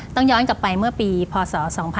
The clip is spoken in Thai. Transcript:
ต้องย้อนกลับไปเมื่อปีพศ๒๕๕๘